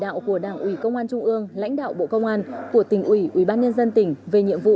đạo của đảng ủy công an trung ương lãnh đạo bộ công an của tỉnh ủy ubnd tỉnh về nhiệm vụ